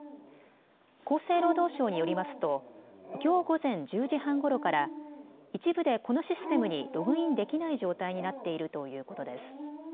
厚生労働省によりますときょう午前１０時半ごろから一部でこのシステムにログインできない状態になっているということです。